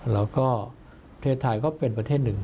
แล้วก็ประเทศไทยก็เป็นประเทศหนึ่ง